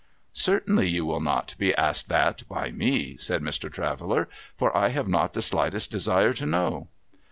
' Certainly you will not be asked that by me,' said Mr. Traveller, ' for I have not the slightest desire to know.'